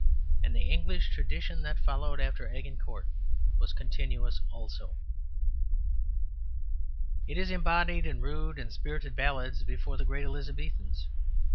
And the English tradition that followed after Agincourt was continuous also. It is embodied in rude and spirited ballads before the great Elizabethans.